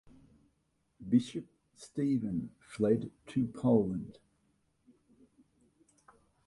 Bishop Stephen fled to Poland.